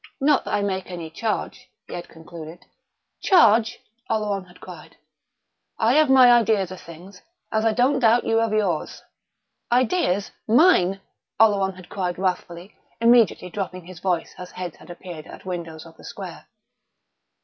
"Not that I make any charge " he had concluded. "Charge!" Oleron had cried. "I 'ave my idears of things, as I don't doubt you 'ave yours " "Ideas mine!" Oleron had cried wrathfully, immediately dropping his voice as heads had appeared at windows of the square.